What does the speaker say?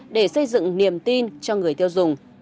để xây dựng niềm tin cho người tiêu dùng